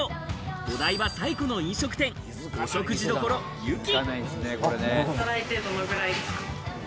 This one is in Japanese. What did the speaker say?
お台場最古の飲食店、お食事処ゆき。